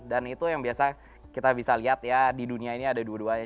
dan itu yang biasa kita bisa lihat ya di dunia ini ada dua duanya